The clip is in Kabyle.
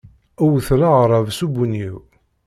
Wten aɣrab s ubunyiw.